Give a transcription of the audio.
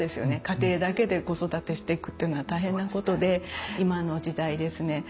家庭だけで子育てしていくっていうのは大変なことで今の時代ですね